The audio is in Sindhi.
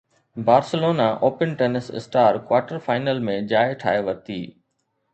Barcelona Open tennis star quarter final ۾ جاءِ ٺاهي ورتي